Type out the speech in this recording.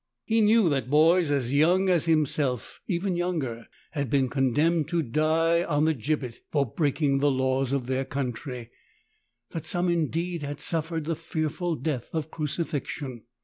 He knew that boys as young as himself, even younger, had been condemned to die on the gibbet for break ing the laws of their country ; that some indeed had suffered the fearful death of crucifixion.